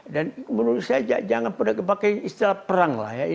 dan menurut saya jangan pernah dipakai istilah perang lah ya